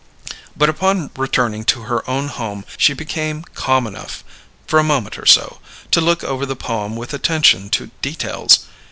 But upon returning to her own home, she became calm enough (for a moment or so) to look over the poem with attention to details.